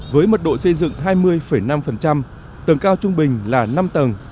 với mật độ xây dựng hai mươi năm tầng cao trung bình là năm tầng